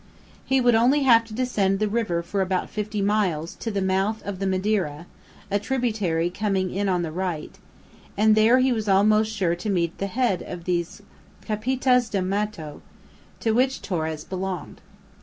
He would only have to descend the river for about fifty miles, to the mouth of the Madeira, a tributary coming in on the right, and there he was almost sure to meet the head of these "capitaes do mato," to which Torres belonged.